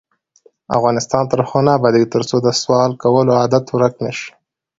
افغانستان تر هغو نه ابادیږي، ترڅو د سوال کولو عادت ورک نشي.